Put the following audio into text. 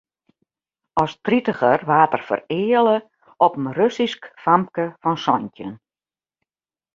As tritiger waard er fereale op in Russysk famke fan santjin.